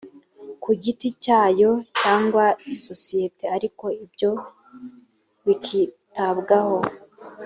ku giti cyayo cyangwa isosiyete ariko ibyo bikitabwaho